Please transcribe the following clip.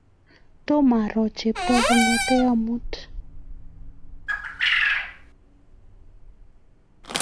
Tomaro Cheptoo kong'ete amut